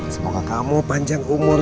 semoga kamu panjang umur